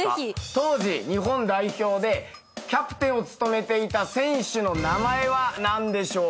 当時日本代表でキャプテンを務めていた選手の名前は何でしょうか？